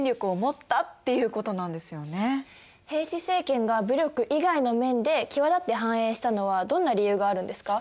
平氏政権が武力以外の面で際立って繁栄したのはどんな理由があるんですか？